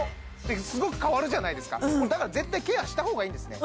すごく変わるじゃないですかだから絶対ケアした方がいいんですね